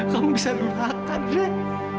kamu bisa merahkan dred